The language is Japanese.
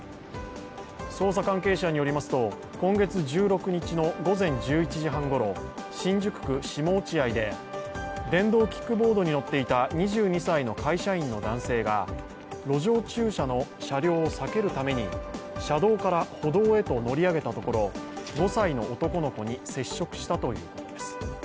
捜査関係者によりますと今月１６日の午前１１時半ごろ、新宿区下落合で電動キックボードに乗っていた２２歳の会社員の男性が路上駐車の車両を避けるために車道から歩道へと乗り上げたところ、５歳の男の子に接触したということです。